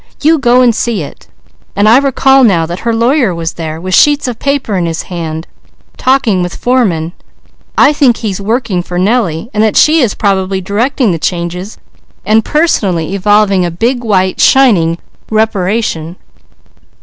You go and see it. And I recall now that her lawyer was there, with sheets of paper in his hand, talking with workmen. I think he's working for Nellie and that she is probably directing the changes and personally evolving a big, white, shining reparation."